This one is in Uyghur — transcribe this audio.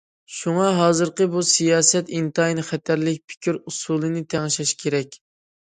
شۇڭا ھازىرقى بۇ سىياسەت ئىنتايىن خەتەرلىك، پىكىر ئۇسۇلىنى تەڭشەش كېرەك.